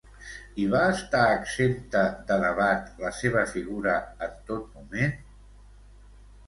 I va estar exempta de debat la seva figura en tot moment?